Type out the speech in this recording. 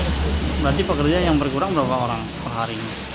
berarti pekerja yang berkurang berapa orang per hari